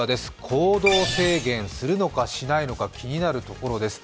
行動制限するのかしないのか、気になるところです。